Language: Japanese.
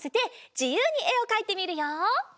じゆうにえをかいてみるよ！